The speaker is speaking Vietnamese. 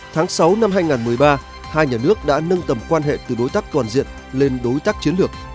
tháng sáu năm hai nghìn một mươi ba hai nhà nước đã nâng tầm quan hệ từ đối tác toàn diện lên đối tác chiến lược